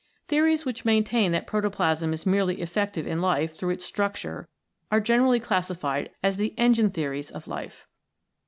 Theories which maintain that protoplasm is merely effective in life through its structure are generally classified as the Engine Theories of Life.